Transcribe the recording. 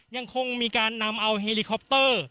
ยังคงมีการนำเอาเฮลิคอปเตอร์